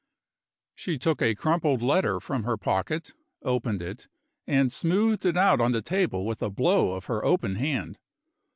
She took a crumpled letter from her pocket, opened it, and smoothed it out on the table with a blow of her open hand.